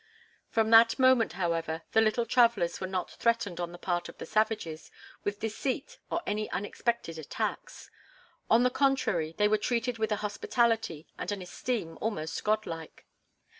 From that moment, however, the little travelers were not threatened on the part of the savages with deceit or any unexpected attacks; on the contrary they were treated with a hospitality and an esteem almost god like.